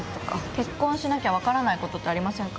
結婚しなきゃ分からないことってありませんか。